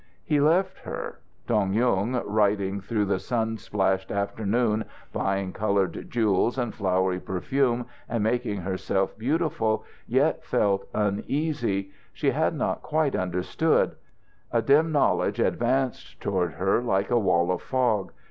He left her. Dong Yung, riding through the sun splashed afternoon, buying coloured jewels and flowery perfume and making herself beautiful, yet felt uneasy. She had not quite understood. A dim knowledge advanced toward her like a wall of fog.